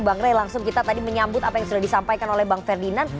bang rey langsung kita tadi menyambut apa yang sudah disampaikan oleh bang ferdinand